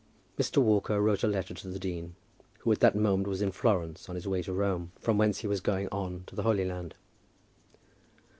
Mr. Walker wrote a letter to the dean, who at that moment was in Florence, on his way to Rome, from whence he was going on to the Holy Land.